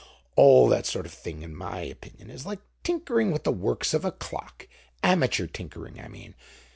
All that sort of thing, in my opinion, is like tinkering with the works of a clock—amateur tinkering, I mean.